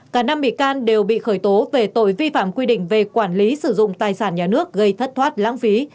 cả năm bị can đều bị khởi tố về tội vi phạm quy định về quản lý sử dụng tài sản nhà nước gây thất thoát lãng phí